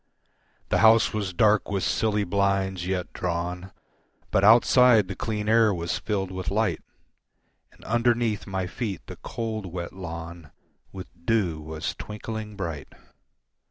The house was dark with silly blinds yet drawn, But outside the clean air was filled with light, And underneath my feet the cold, wet lawn With dew was twinkling bright.